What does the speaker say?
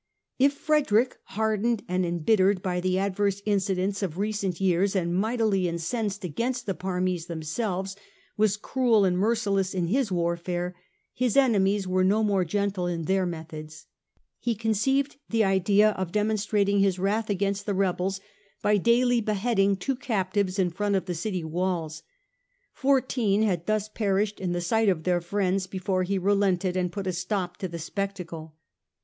If Frederick, hardened and embittered by the adverse incidents of recent years and mightily incensed against the Parmese themselves, was cruel and merciless in his warfare, his enemies were no more gentle in their methods. He conceived the idea of demonstrating his wrath against the rebels by daily beheading two captives in front of the city walls. Fourteen had thus perished in the sight of their friends before he relented and put a stop to the spectacle.